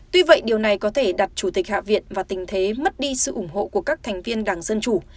tuy vậy điều này có thể đặt chủ tịch hạ viện vào tình thế mất đi sự ủng hộ của các thành viên đảng dân chủ